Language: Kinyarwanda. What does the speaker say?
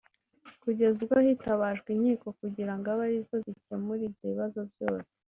kugeza ubwo hitabajwe inkiko kugirango abe ari zo zikemura ibyo bibazo byose